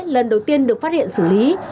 lần đầu tiên được phát hiện xử lý